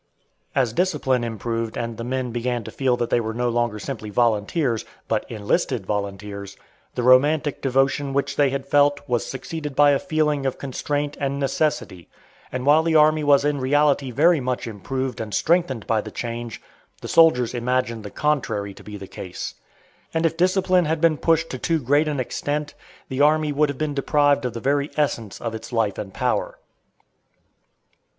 As discipline improved and the men began to feel that they were no longer simply volunteers, but enlisted volunteers, the romantic devotion which they had felt was succeeded by a feeling of constraint and necessity, and while the army was in reality very much improved and strengthened by the change, the soldiers imagined the contrary to be the case. And if discipline had been pushed to too great an extent, the army would have been deprived of the very essence of its life and power.